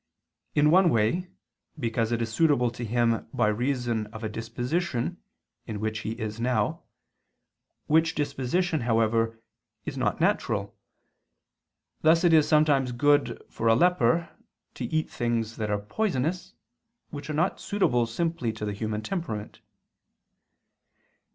In one way, because it is suitable to him by reason of a disposition in which he is now, which disposition, however, is not natural: thus it is sometimes good for a leper to eat things that are poisonous, which are not suitable simply to the human temperament.